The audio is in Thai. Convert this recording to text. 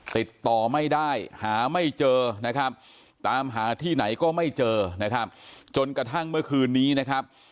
ติดต่อไม่ได้หาไม่เจอนะครับตามหาที่ไหนก็ไม่เจอนะครับจนกระทั่งเมื่อคืนนี้นะครับ